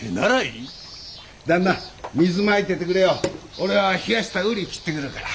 俺は冷やした瓜切ってくるから。